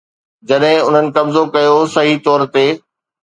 جڏهن انهن قبضو ڪيو، صحيح طور تي